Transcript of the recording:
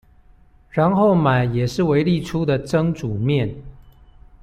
然後買也是維力出的蒸煮麵